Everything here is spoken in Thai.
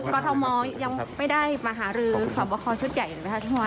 กฎธรรมอล์ยังไม่ได้มาหารือส่อบบ่อคอชุดใหญ่ในประธานวัล